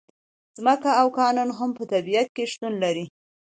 ځمکه او کانونه هم په طبیعت کې شتون لري.